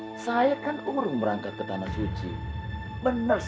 yang berkati kati dengan saya dan saya berangkat ke tanah suci dan saya berangkat ke tanah suci